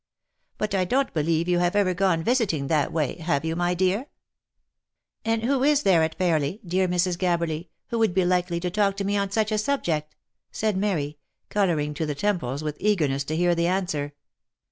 But I don't believe you have ever gone visiting that way, have you, my dear?" " And who is there at Fairly, dear Mrs. Gabberly, who would be OF MICHAEL ARMSTRONG. 197 likely to talk to me on such a subject?" said Mary, colouring to the temples, with eagerness to hear the answer.